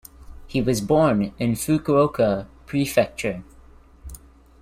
He was born in Fukuoka Prefecture.